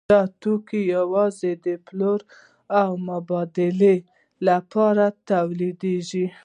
دا توکي یوازې د پلورلو او مبادلې لپاره تولیدېږي